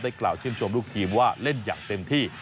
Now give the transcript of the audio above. กล่าวชื่นชมลูกทีมว่าเล่นอย่างเต็มที่